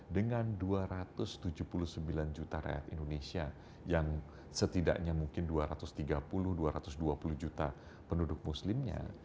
dengan dua ratus tujuh puluh sembilan juta rakyat indonesia yang setidaknya mungkin dua ratus tiga puluh dua ratus dua puluh juta penduduk muslimnya